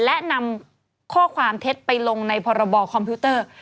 และนำข้อความเท็จไปลงในพรบคอมพิวเตอร์